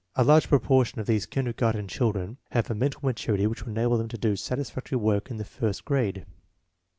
A large proportion of these kindergarten children have a mental maturity which would enable them to do satisfactory work in the first grade.